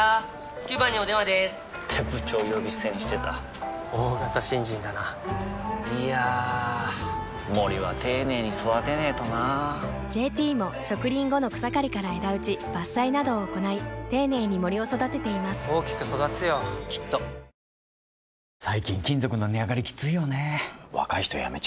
９番にお電話でーす！って部長呼び捨てにしてた大型新人だないやー森は丁寧に育てないとな「ＪＴ」も植林後の草刈りから枝打ち伐採などを行い丁寧に森を育てています大きく育つよきっと歌手のブラザー・コーンさんが乳がんであることを明かしました。